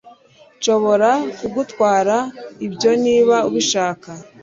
nshobora kugutwara ibyo niba ubishaka